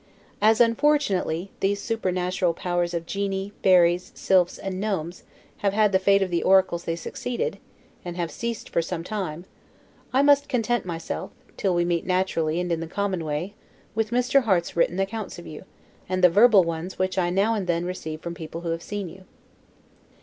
As, unfortunately, these supernatural powers of genii, fairies, sylphs, and gnomes, have had the fate of the oracles they succeeded, and have ceased for some time, I must content myself (till we meet naturally, and in the common way) with Mr. Harte's written accounts of you, and the verbal ones which I now and then receive from people who have seen you.